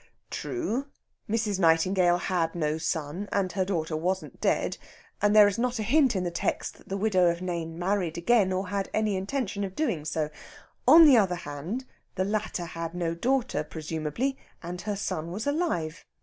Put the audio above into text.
True, Mrs. Nightingale had no son, and her daughter wasn't dead, and there is not a hint in the text that the widow of Nain married again, or had any intention of doing so. On the other hand, the latter had no daughter, presumably, and her son was alive.